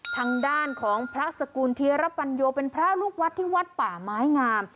ทางด้านของพระสกุลเทียรปัญโยเป็นพระลูกวัดที่วัดป่าไม้งาม